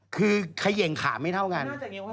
คือเขย่งขาไม่เท่ากัน